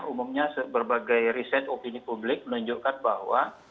umumnya berbagai riset opini publik menunjukkan bahwa